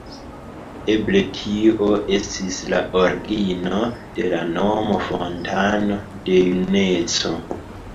Eble tio estis la origino de la nomo ""fontano de juneco"".